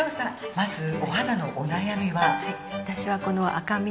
まずお肌のお悩みは？